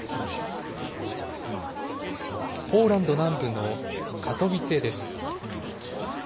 ポーランド南部のカトヴィツェです。